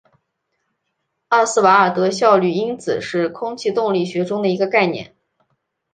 奥斯瓦尔德效率因子是空气动力学中的一个概念。